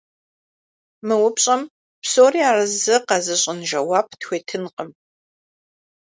Мы упщӀэм псори арэзы къэзыщӀын жэуап тхуетынкъым.